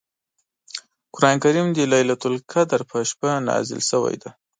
قران کریم د لیلة القدر په شپه نازل شوی دی .